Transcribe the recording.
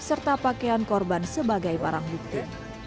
serta pakaian korban sebagai barang bukti